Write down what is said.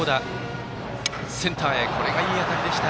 センターへこれがいい当たりでした。